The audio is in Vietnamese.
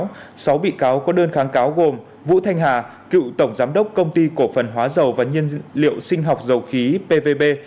trong sáu bị cáo có đơn kháng cáo gồm vũ thanh hà cựu tổng giám đốc công ty cổ phần hóa dầu và nhiên liệu sinh học dầu khí pvb